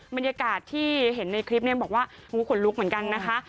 บรรยากาศที่เห็นในคลิปเนี่ยบอกว่าขนลุกเหมือนกันนะคะ